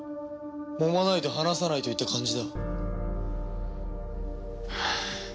もまないと話さないといった感じだ。